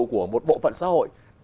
của một bộ phận xã hội